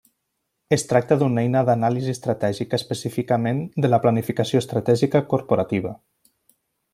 Es tracta d'una eina d'anàlisi estratègica, específicament de la planificació estratègica corporativa.